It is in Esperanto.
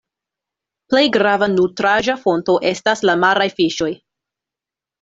Plej grava nutraĵa fonto estas la maraj fiŝoj.